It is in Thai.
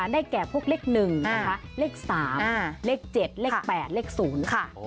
ได้แก่พวกเลข๑เลข๓เลข๗เลข๘เลข๐นะคะ